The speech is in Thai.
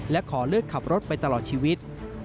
และขอเลิกขับรถไปตลอดชีวิต